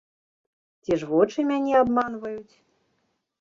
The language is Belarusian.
Ці ж вочы мяне абманваюць?